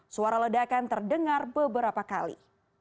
suara ledakan terdengar beberapa kali